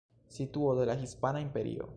Situo de la Hispana Imperio.